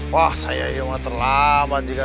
wah saya ini mah terlambat juga